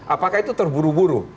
apakah itu terburu buru